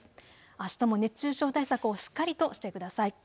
あしたも熱中症対策をしっかりとしてください。